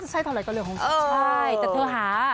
อิดีาดีก็ดีน่ะ